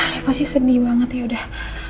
ya pasti sedih banget ya udah